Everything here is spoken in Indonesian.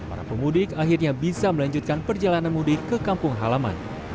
para pemudik akhirnya bisa melanjutkan perjalanan mudik ke kampung halaman